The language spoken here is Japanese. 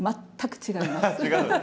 違いますの？